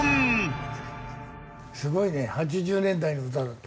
すごいね８０年代の歌だって。